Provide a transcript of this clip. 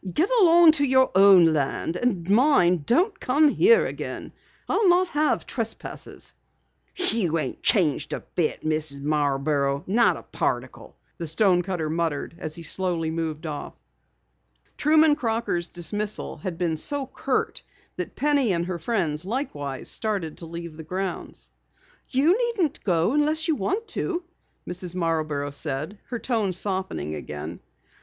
"Get along to your own land, and mind, don't come here again. I'll not have trespassers." "You ain't changed a bit, Mrs. Marborough, not a particle," the stonecutter muttered as he slowly moved off. Truman Crocker's dismissal had been so curt that Penny and her friends likewise started to leave the grounds. "You needn't go unless you want to," Mrs. Marborough said, her tone softening again.